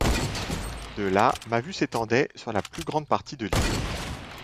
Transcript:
De là ma vue s’étendait sur la plus grande partie de l’île.